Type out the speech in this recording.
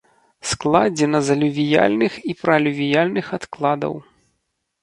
Складзена з алювіяльных і пралювіяльных адкладаў.